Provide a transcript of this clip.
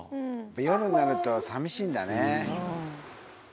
夜になると寂しいんだね。